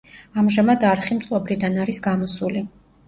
ამჟამად არხი მწყობრიდან არის გამოსული.